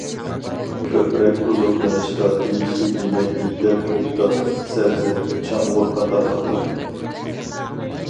كۆپرەك ئوزۇقلىنىشقا تېگىشلىك يېمەكلىكلەر كۆكتات: سەۋزە، چامغۇر قاتارلىقلار.